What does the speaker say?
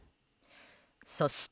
そして。